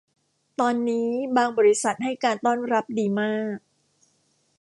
ตอนนี้บางบริษัทให้การต้อนรับดีมาก